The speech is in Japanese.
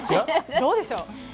どうでしょう？